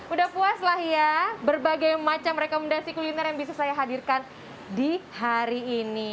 udah puas lah ya berbagai macam rekomendasi kuliner yang bisa saya hadirkan di hari ini